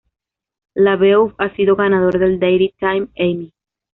LaBeouf ha sido ganador del Daytime Emmy.